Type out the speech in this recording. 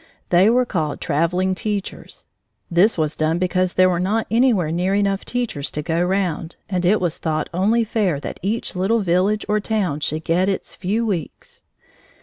They were called traveling teachers. This was done because there were not anywhere near enough teachers to go round, and it was thought only fair that each little village or town should get its few weeks.